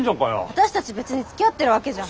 私たち別につきあってるわけじゃ。